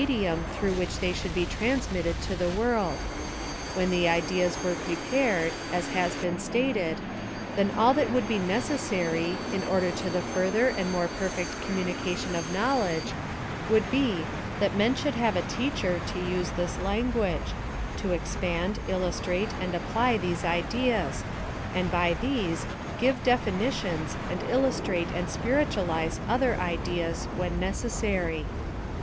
dium through which they should be transmitted to the world. When the ideas were prepared, as has been stated, then all that would be necessary, in order to the further and more perfect communi cation of knowledge, would be, that men should have a teacher to use this language — to expand, illustrate and apply these ideas ; and by these, give definitions, and illustrate and spiritualize other ideas when necessary.